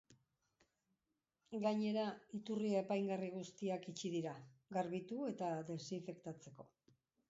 Gainera, iturri apaingarri guztiak itxi dira, garbitu eta desinfektatzeko.